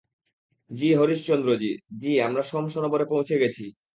জি হরিশচন্দ্রজি, জি আমরা সোম সরোবরে পৌঁছে গেছি।